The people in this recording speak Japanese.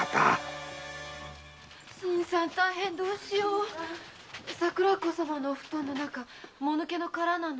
新さん大変どうしよう桜子様のフトンの中モヌケの殻なの。